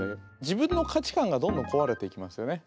自分の価値観がどんどん壊れていきますよね。